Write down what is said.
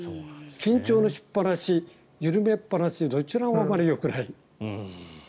緊張のしっぱなし緩めっぱなしどちらもあまりよくない。